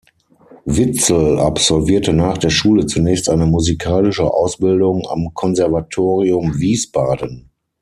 Witzel absolvierte nach der Schule zunächst eine musikalische Ausbildung am Konservatorium Wiesbaden.